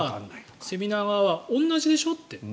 セミナー側は同じでしょ？って。